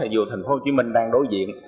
dù thành phố hồ chí minh đang đối diện